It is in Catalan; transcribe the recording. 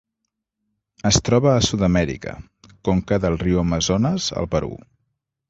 Es troba a Sud-amèrica: conca del riu Amazones al Perú.